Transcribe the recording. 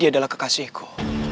dia adalah kekasihku